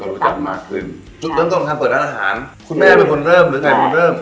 เริ่มต้นต้นการเปิดร้านอาหารคุณแม่เป็นคนเริ่มหรือใครเป็นคนเริ่ม